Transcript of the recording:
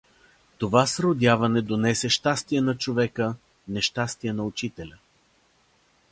Това сродяване донесе щастие на човека, нещастие на учителя.